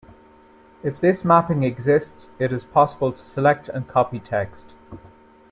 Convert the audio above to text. If this mapping exists, it is possible to select and copy text.